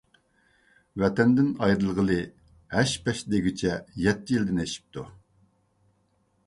ۋەتەندىن ئايرىلغىلى ھەش-پەش دېگۈچە يەتتە يىلدىن ئېشىپتۇ.